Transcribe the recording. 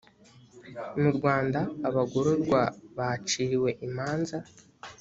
mu rwanda abagororwa baciriwe imanza .